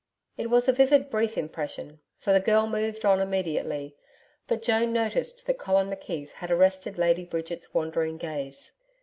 It was a vivid brief impression, for the girl moved on immediately, but Joan noticed that Colin McKeith had arrested Lady Bridget's wandering gaze.